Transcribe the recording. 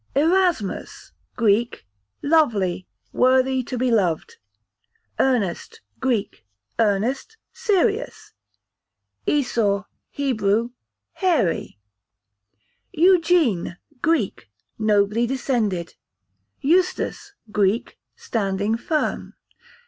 Erasmus, Greek, lovely, worthy to be loved. Ernest, Greek, earnest, serious. Esau, Hebrew, hairy. Eugene, Greek, nobly descended. Eustace, Greek, standing firm.